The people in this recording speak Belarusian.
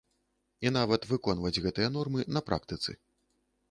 І нават выконваць гэтыя нормы на практыцы.